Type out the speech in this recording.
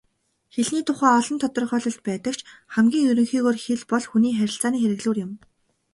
Хэлний тухай олон тодорхойлолт байдаг ч хамгийн ерөнхийгөөр хэл бол хүний харилцааны хэрэглүүр юм.